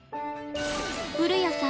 古谷さん